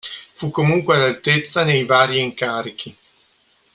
Fu comunque all'altezza nei vari incarichi.